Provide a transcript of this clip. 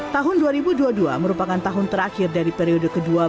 tahun dua ribu dua puluh dua merupakan tahun terakhir dari periode kedua